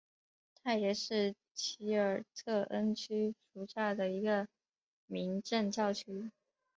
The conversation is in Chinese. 它也是奇尔特恩区属下的一个民政教区。